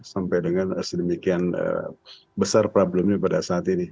sampai dengan sedemikian besar problemnya pada saat ini